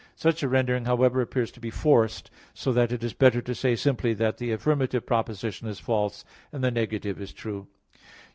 Such a rendering however appears to be forced, so that it is better to say simply that the affirmative proposition is false, and the negative is true.